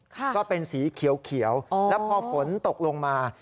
ค่ะก็เป็นสีเขียวเขียวแล้วพอฝนตกลงมา